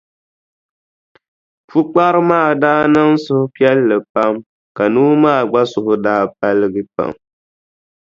Pukpara maa daa niŋ suhupiɛlli pam ka noo maa gba suhu daa paligi pam.